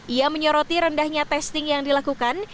ia menyoroti rendahnya testing yang dilakukan